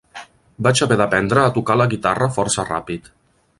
"Vaig haver d'aprendre a tocar la guitarra força ràpid".